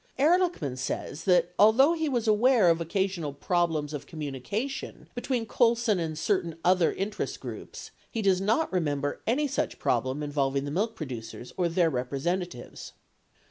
Ehrlichman says that although he was aware of occasional problems of communication be tween Colson and certain other interest groups, he does not remember any such problem involving the milk producers or their representa tives.